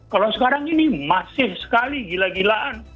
kalau sekarang ini masif sekali gila gilaan